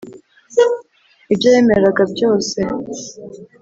ibyo yemeraga byose,